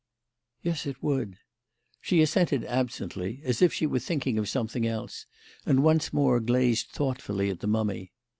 "Yes, it would." She assented absently as if she were thinking of something else, and once more gazed thoughtfully at the mummy.